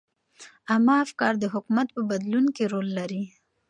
عامه افکار د حکومت په بدلون کې رول لري.